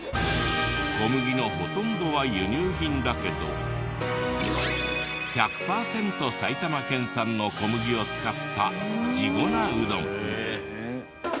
小麦のほとんどは輸入品だけど１００パーセント埼玉県産の小麦を使った地粉うどん。